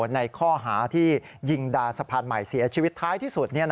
ในข้อหาที่ยิงดาสะพานใหม่เสียชีวิตท้ายที่สุด